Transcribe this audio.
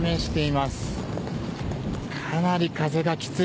かなり風がきつい。